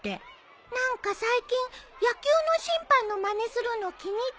何か最近野球の審判のまねするの気に入ってるらしいよ。